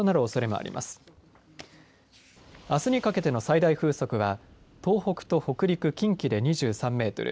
あすにかけての最大風速は東北と北陸、近畿で２３メートル